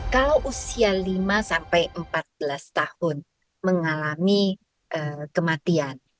kalau usia lima sampai empat belas tahun mengalami kematian